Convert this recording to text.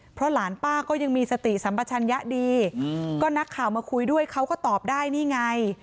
เพราะหลานป้าก็ยังมีสติสัมปชัญญะดีก็นักข่าวมาคุยด้วยเขาก็ตอบได้นี่ไง